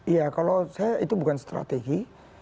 iya kalau saya itu bukan strategi